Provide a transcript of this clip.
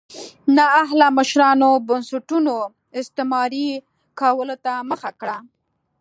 نااهله مشرانو بنسټونو استثماري کولو ته مخه کړه.